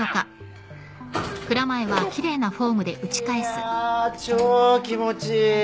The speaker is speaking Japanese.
いや超気持ちいい。